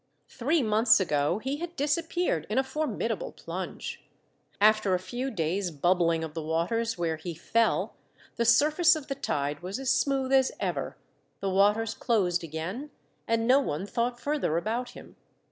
Three months ago he had disappeared in a formidable plunge. After a few days' bubbling of the waters where he fell, the surface of the tide was as smooth as ever, the waters closed again, and no one thought further about him.